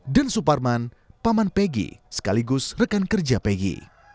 dan suparman paman pegi sekaligus rekan kerja pegi